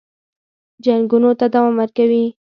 جنګونو ته دوام ورکوي.